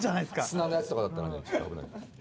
砂のやつとかだったらね